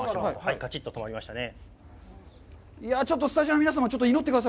カチッと止まりましたね。